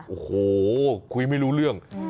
โอ้โหคุยไม่รู้เรื่อง